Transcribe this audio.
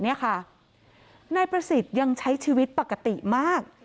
นายประสิทธิ์ยังใช้ชีวิตปกติมาก